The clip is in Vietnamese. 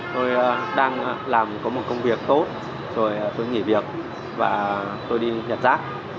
tôi đang làm có một công việc tốt rồi tôi nghỉ việc và tôi đi nhặt rác